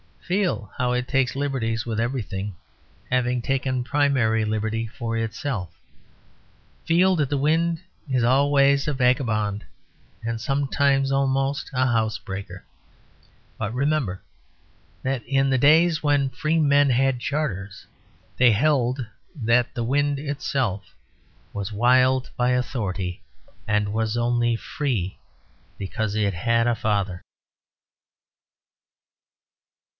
Feel how it takes liberties with everything, having taken primary liberty for itself; feel that the wind is always a vagabond and sometimes almost a housebreaker. But remember that in the days when free men had charters, they held that the wind itself was wild by authority; and was only free because it had a father.